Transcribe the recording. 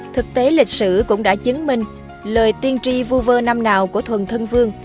thực tế lịch sử cũng đã chứng minh lời tiên tri vu vơ năm nào của thuần thân vương